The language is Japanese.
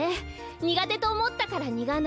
にがてとおもったからニガナ。